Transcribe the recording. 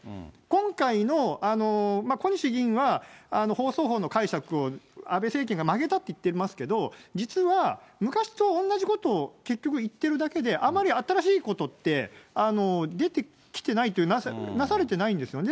今回の、小西議員は放送法の解釈を安倍政権が曲げたって言ってますけど、実は昔と同じことを結局、言っているだけで、あまり新しいことって出てきてないというか、なされてないんですよね。